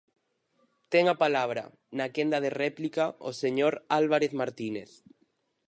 Ten a palabra, na quenda de réplica, o señor Álvarez Martínez.